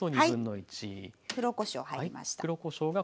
黒こしょう入りました。